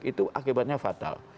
itu akibatnya fatal